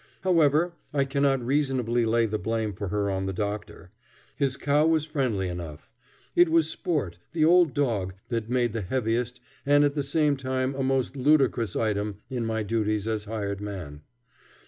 However, I cannot reasonably lay the blame for her on the doctor. His cow was friendly enough. It was Sport, the old dog, that made the heaviest and at the same time a most ludicrous item in my duties as hired man.